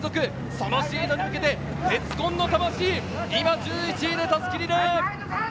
そのシードに向けて鉄紺の魂、今１１位で襷リレー。